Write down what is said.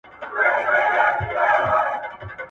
ښوونکی زدهکوونکو ته د راتلونکي هدفونو ټاکلو مرسته کوي.